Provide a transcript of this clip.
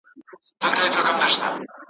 نه تميز د ښو او بدو به اوس كېږي ,